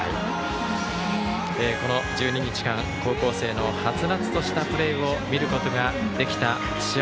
この１２日間高校生のはつらつとしたプレーを見ることができた。